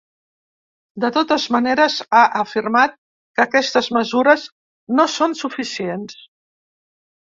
De totes maneres, ha afirmat que aquestes mesures no són suficients.